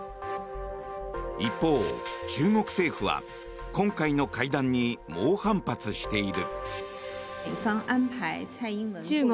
一方、中国政府は今回の会談に猛反発している。